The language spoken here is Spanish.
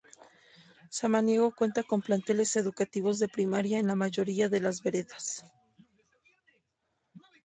Samaniego cuenta con planteles educativos de primaria en la mayoría de las veredas.